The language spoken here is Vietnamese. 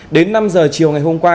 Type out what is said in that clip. đến năm h chiều ngày hôm qua